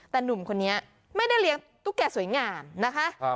แต่หนุ่มคนนี้ไม่ได้เลี้ยงตุ๊กแก่สวยงามนะคะ